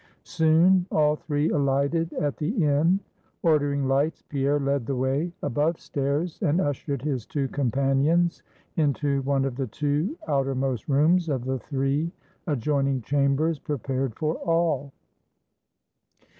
Soon all three alighted at the inn. Ordering lights, Pierre led the way above stairs, and ushered his two companions into one of the two outermost rooms of the three adjoining chambers prepared for all.